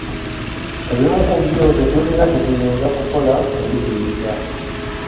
Ebimu ku byo tetulina kyetuyinza kukola kubiziyiza